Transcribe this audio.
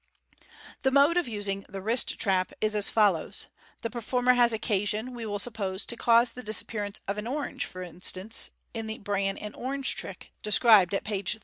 The mode of using the wrist trap is as follows :— The performer has occasion, we will suppose, to cause the disappearance of an orange, as for instance, in the "Bran and Orange" trick, described at page 335.